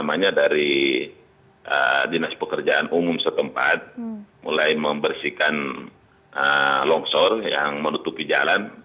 namanya dari dinas pekerjaan umum setempat mulai membersihkan longsor yang menutupi jalan